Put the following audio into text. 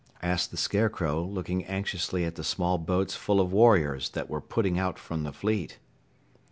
asked the Scarecrow, looking anxiously at the small boats full of warriors that were putting out from the fleet.